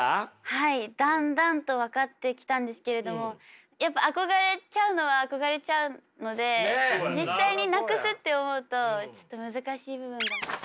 はいだんだんと分かってきたんですけれどもやっぱ憧れちゃうのは憧れちゃうので実際になくすって思うとちょっと難しい部分が。